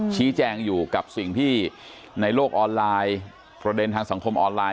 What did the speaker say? ชี้แจงอยู่กับสิ่งที่ในโลกออนไลน์ประเด็นทางสังคมออนไลน